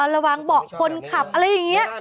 ระหว่างเบาะคนขับอะไรอย่างนี้